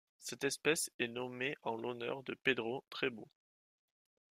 Cette espèce est nommée en l'honneur de Pedro Trebbau.